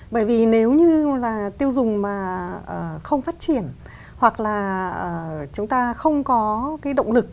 bởi vì nếu như là tiêu dùng mà không phát triển hoặc là chúng ta không có cái động lực